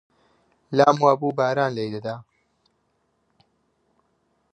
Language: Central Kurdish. لام وا بوو باران لێی دەدا